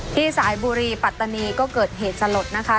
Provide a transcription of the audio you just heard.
สายบุรีปัตตานีก็เกิดเหตุสลดนะคะ